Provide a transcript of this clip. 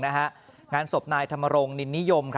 งานสมพิจารณ์นายธรรมรงค์นินหญิโยม